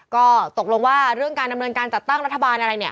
ก็ตกลงว่าเรื่องการดำเนินการจัดตั้งรัฐบาลอะไรเนี่ย